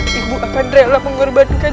seorang ibu akan rela mengorbankan nyawanya